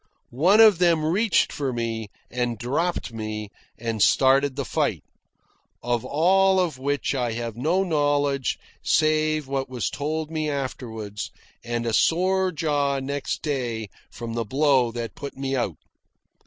One of them reached for me, and dropped me, and started the fight, of all of which I have no knowledge save what was told me afterward, and a sore jaw next day from the blow that put me out.